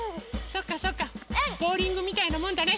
そうかそうかボウリングみたいなもんだね。